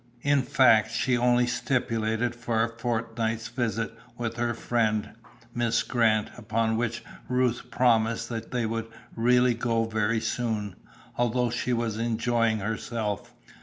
In fact she only stipulated for a fortnight's visit with her friend, Miss Grant, upon which Ruth promised that they would really go very soon, although she was enjoying herself.